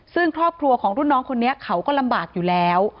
ซึ่งครอบครัวของรุ่นน้องคนนี้เขาก็ลำบากอยู่แล้ว